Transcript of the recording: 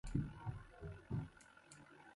جگے کڇت ٹوپ دجی گِیاؤ۔